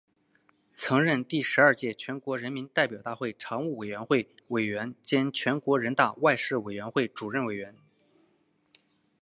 曾任第十二届全国人民代表大会常务委员会委员兼全国人大外事委员会主任委员。